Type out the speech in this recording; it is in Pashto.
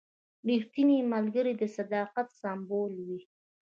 رښتینی ملګری د صداقت سمبول وي.